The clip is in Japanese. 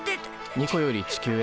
ニコより地球へ。